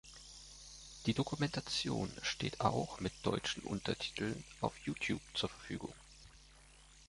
Die Dokumentation steht auch mit deutschen Untertiteln auf Youtube zur Verfügung.